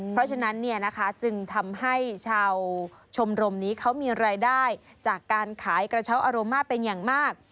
เพราะฉะนั้นจึงทำให้ชาวชมรมนี้เขามีรายได้จากการขายกระเช้าอารม่าเป็นอย่างมาก